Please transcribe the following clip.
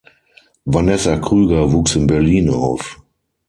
Vanessa Krüger wuchs in Berlin auf.